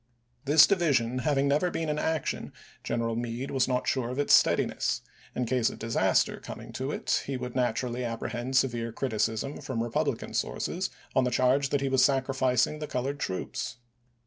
3 5.' This division having never been in action, General Meade was not sure of its steadiness; in case of disaster coming to it he would naturally ap prehend severe criticism from Republican sources, on the charge that he was sacrificing the colored troops.